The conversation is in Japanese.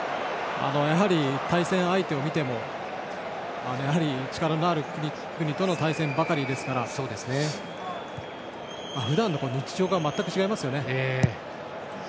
対戦相手を見ても力のある国との対戦ばかりですから。ふだんの日常とは全く違いますね。